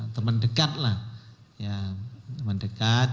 teman dekat lah teman dekat